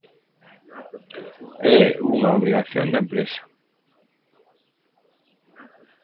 É unha obrigación da empresa.